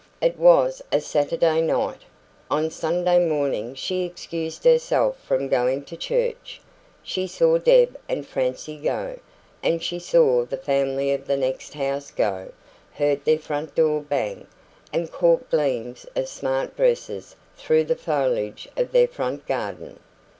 It was a Saturday night. On Sunday morning she excused herself from going to church. She saw Deb and Francie go, and she saw the family of the next house go heard their front door bang, and caught gleams of smart dresses through the foliage of their front garden.